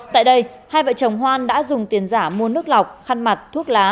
tại đây hai vợ chồng hoan đã dùng tiền giả mua nước lọc khăn mặt thuốc lá